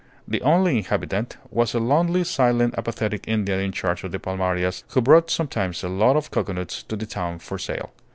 The only inhabitant was a lonely, silent, apathetic Indian in charge of the palmarias, who brought sometimes a load of cocoanuts to the town for sale.